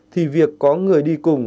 thì việc có người đi cùng